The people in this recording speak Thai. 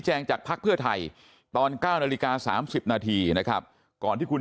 จากภักดิ์เพื่อไทยตอน๙นาฬิกา๓๐นาทีนะครับก่อนที่คุณ